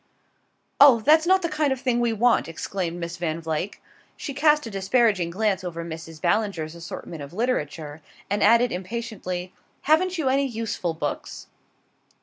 "Oh, that's not the kind of thing we want!" exclaimed Miss Van Vluyck. She cast a disparaging glance over Mrs. Ballinger's assortment of literature, and added impatiently: "Haven't you any useful books?"